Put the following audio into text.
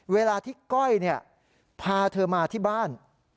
เวลาที่ก้อยพาเธอมาที่บ้าน